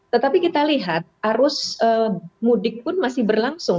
tetapi kita lihat arus mudik pun masih berlangsung